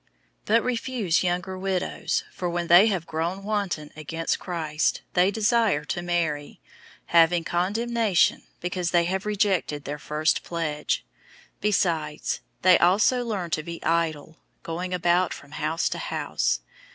005:011 But refuse younger widows, for when they have grown wanton against Christ, they desire to marry; 005:012 having condemnation, because they have rejected their first pledge. 005:013 Besides, they also learn to be idle, going about from house to house.